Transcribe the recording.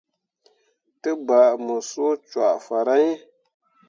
Te bah mu suu cõo farah hii.